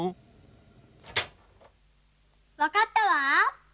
わかったわ。